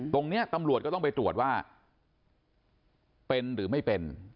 ตรงนี้ตำรวจก็ต้องไปตรวจว่าเป็นหรือไม่เป็น